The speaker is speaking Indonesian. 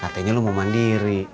katanya lu mau mandiri